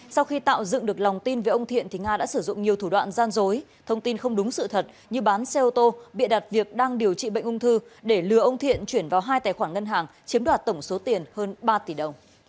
sau khi tạo dựng được lòng tin về ông thiện nga đã sử dụng nhiều thủ đoạn gian dối thông tin không đúng sự thật như bán xe ô tô bịa đặt việc đang điều trị bệnh ung thư để lừa ông thiện chuyển vào hai tài khoản ngân hàng chiếm đoạt tổng số tiền hơn ba tỷ đồng